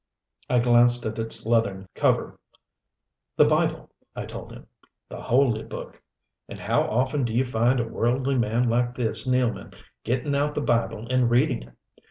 I glanced at its leathern cover. "The Bible," I told him. "The Holy Book. And how often do you find a worldly man like this Nealman getting out the Bible and reading it?